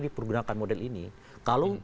dipergunakan model ini kalau